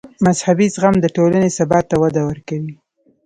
مذهبي زغم د ټولنې ثبات ته وده ورکوي.